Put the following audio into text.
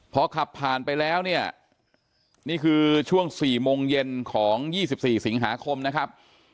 พอขับผ่านไปแล้วเนี่ยนี่คือช่วง๔โมงเย็นของ๒๔สิงหาคมนะครับ